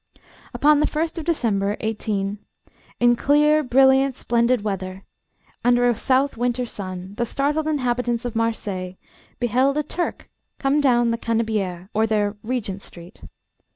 UPON the 1st of December 18 , in clear, brilliant, splendid weather, under a south winter sun, the startled inhabitants of Marseilles beheld a Turk come down the Canebiere, or their Regent Street.